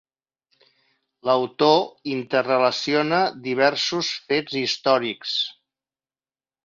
L'autor interrelaciona diversos fets històrics.